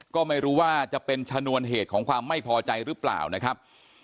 ก็ไม่รู้ว่าจะเป็นชนวนเหตุของความไม่พอใจหรือเปล่านะครับ